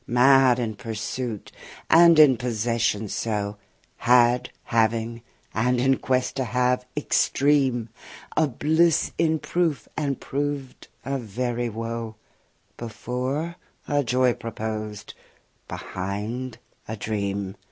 Mad in pursuit and in possession so; Had, having, and in quest to have extreme; A bliss in proof, and proved, a very woe; Before, a joy proposed; behind a dream.